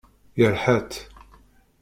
Yerḥa-tt.